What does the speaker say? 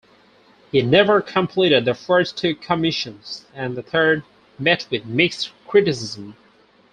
He never completed the first two commissions, and the third met with mixed criticism.